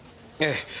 ええ。